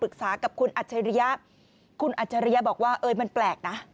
คุณอัจฉริยะบอกว่ามันแปลกนะ